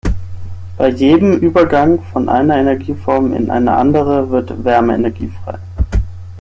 Bei jedem Übergang von einer Energieform in eine andere wird Wärmeenergie frei.